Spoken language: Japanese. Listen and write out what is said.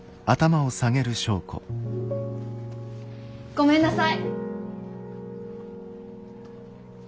ごめんなさい。